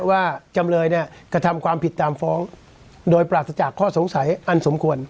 จำเลยเนี่ยกระทำความผิดตามฟ้องโดยปราศจากข้อสงสัยอันสมควร